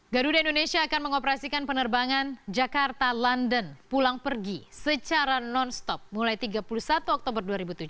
garuda indonesia akan mengoperasikan penerbangan jakarta london pulang pergi secara non stop mulai tiga puluh satu oktober dua ribu tujuh belas